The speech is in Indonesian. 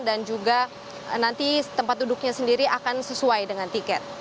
dan juga nanti tempat duduknya sendiri akan sesuai